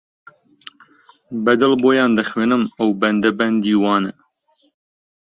بە دڵ بۆیان دەخوێنم ئەو بەندە بەندی وانە